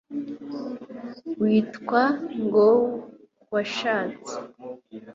witwa ngo warashatse